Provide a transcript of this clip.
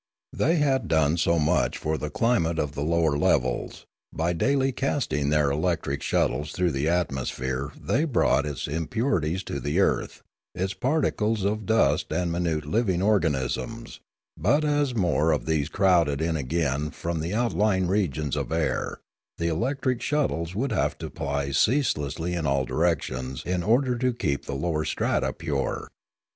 They had done much for the climate of the lower levels; by daily casting their elec tric shuttles through the atmosphere they brought its impurities to the earth, its particles of dust and minute living organisms; but as more of these crowded in again from the outlying regions of air, the electric shuttles would have to ply ceaselessly in all directions in order to keep the lower strata pure.